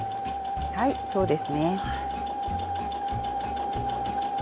はいそうですね。